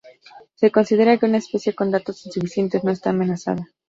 Se considera que una especie con datos insuficientes no está amenazada.